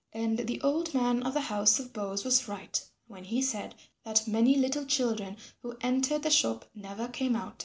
And the old man of the house of boughs was right when he said that many little children who entered the shop never came out again.